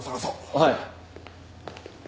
はい。